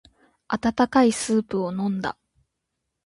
温かいスープを飲んだ。